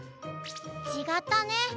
ちがったね。